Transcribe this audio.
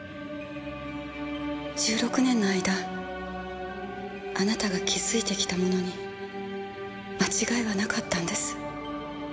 １６年の間あなたが築いてきたものに間違いはなかったんです。